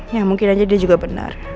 ya mungkin aja dia juga benar